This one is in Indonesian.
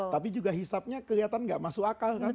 tapi juga hisabnya kelihatan gak masuk akal kan